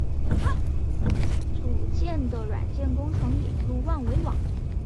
这样做的目的是将基于组件的软件工程引入万维网。